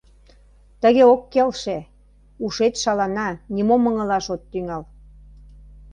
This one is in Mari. Тыге ок келше — ушет шалана, нимом ыҥылаш от тӱҥал.